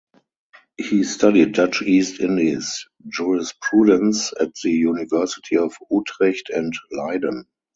He studied Dutch East Indies Jurisprudence at the University of Utrecht and Leiden.